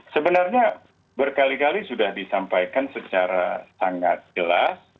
sebenarnya berkali kali sudah disampaikan secara sangat jelas